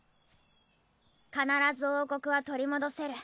必ず王国は取り戻せる。